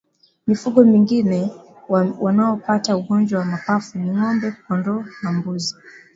Mifugo mingine wanaopata ugonjwa wa mapafu ni ngombe kndoo na mbuzi